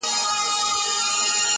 د ګیدړ په باټو ډېر په ځان غره سو!!